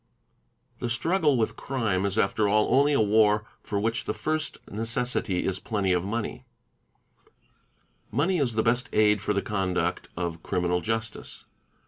The struggle with crime is after all only a war for which the first necessity is plenty of money; money is the best aid for the conduct of criminal justice.